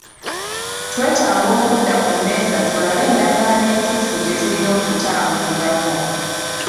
Twetaaga okudda ku mmeeza tulabe endagaano entuufu gye tulina okutambulirako.